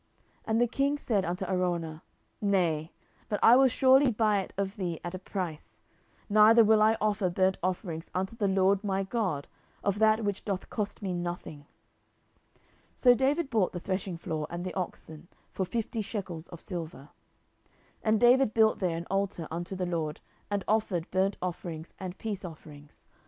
10:024:024 And the king said unto Araunah, Nay; but I will surely buy it of thee at a price: neither will I offer burnt offerings unto the LORD my God of that which doth cost me nothing. So David bought the threshingfloor and the oxen for fifty shekels of silver. 10:024:025 And David built there an altar unto the LORD, and offered burnt offerings and peace offerings.